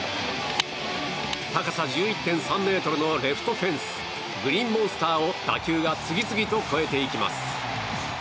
高さ１１．３ｍのレフトフェンスグリーンモンスターを打球が次々と越えていきます。